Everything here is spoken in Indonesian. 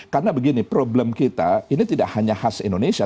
karena begini problem kita ini tidak hanya khas indonesia